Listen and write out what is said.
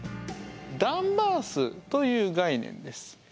「ダンバー数」という概念です。